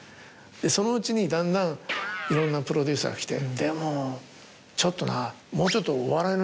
そのうちにだんだんいろんなプロデューサーが来て「でもちょっとなぁもうちょっと」。